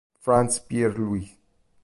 Frantz Pierre-Louis